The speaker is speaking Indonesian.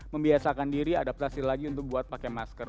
membiasakan diri adaptasi lagi untuk buat pakai masker